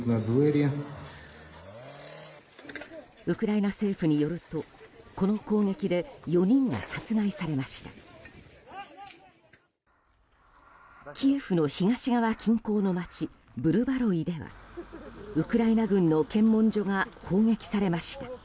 ウクライナ政府によるとこの攻撃で４人が殺害されました。